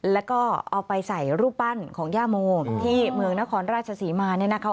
แล้วก็เอาไปใส่รูปปั้นของย่าโมที่เมืองนครราชศรีมาเนี่ยนะคะ